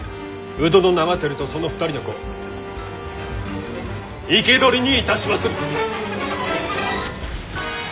鵜殿長照とその２人の子生け捕りにいたしまする！